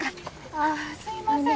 ああすいません。